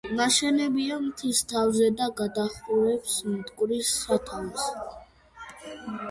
ნაშენებია მთის თავზე და გადაჰყურებს მტკვრის სათავეს.